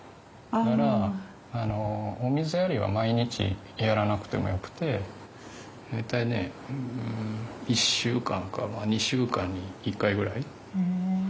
だからお水やりは毎日やらなくてもよくて大体ね１週間かまあ２週間に１回ぐらい。